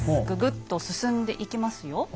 ぐぐっと進んでいきますよ。